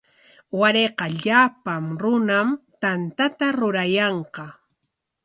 Warayqa llapan runam tantata rurayanqa.